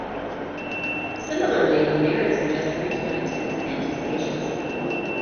Similarly, the lyrics suggest the group's new intents and anticipations.